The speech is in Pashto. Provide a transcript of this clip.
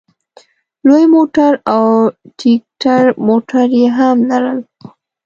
لوی موټر او ټیکټر موټر یې هم لرل.